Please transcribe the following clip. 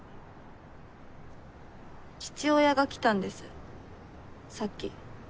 父親が来たんですさっき。